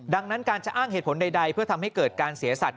ดังนั้นการจะอ้างเหตุผลใดเพื่อทำให้เกิดการเสียสัตว